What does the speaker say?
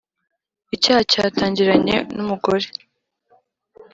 Icyaha cyatangiranye n’umugore,